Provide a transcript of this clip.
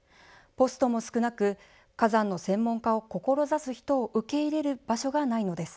ポストも少なく、火山の専門家を志す人を受け入れる場所がないのです。